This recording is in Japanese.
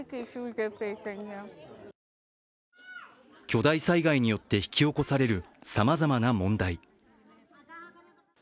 巨大災害によって引き起こされるさまざまな問題。